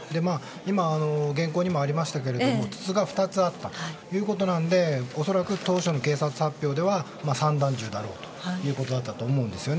今、原稿にもありましたが筒が２つあったということなので恐らく当初の警察発表では散弾銃だろうということだったと思うんです。